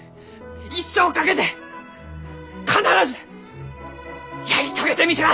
一生かけて必ずやり遂げてみせます！